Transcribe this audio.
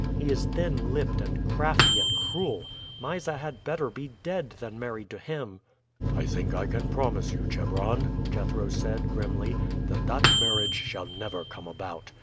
He is thin lipped and crafty and cruel. Mysa had better be dead than married to him." "I think I can promise you, Chebron," Jethro said grimly, "that that marriage shall never come about.